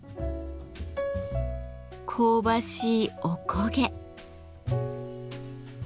香ばしいおこげ。